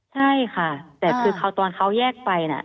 ใช่ค่ะแต่คือตอนเขาแยกไปน่ะ